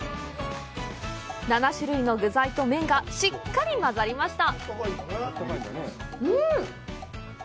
７種類の具材と麺がしっかり混ざりました！